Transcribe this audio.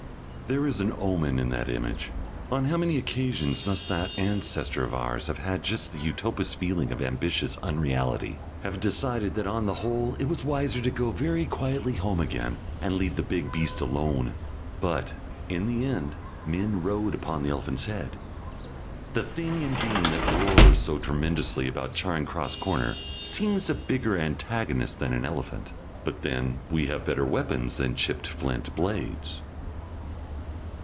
(There is an omen in that image. On how many occasions must that ancestor of ours have had just the Utopist's feeling of ambitious unreality, have decided that on the whole it was wiser to go very quietly home again, and leave the big beast alone? But, in the end, men rode upon the elephant's head, and guided him this way or that.... The Thing in Being that roars so tremendously about Charing Cross corner seems a bigger antagonist than an elephant, but then we have better weapons than chipped flint blades....)